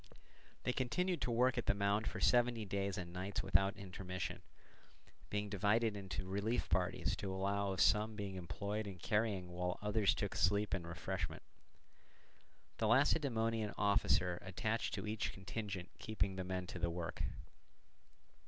They continued to work at the mound for seventy days and nights without intermission, being divided into relief parties to allow of some being employed in carrying while others took sleep and refreshment; the Lacedaemonian officer attached to each contingent keeping the men to the work.